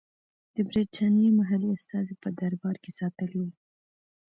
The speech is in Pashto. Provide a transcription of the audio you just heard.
د برټانیې محلي استازی په دربار کې ساتلی وو.